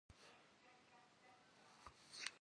Jjem kheşexui vı şexui xeç'ıjj.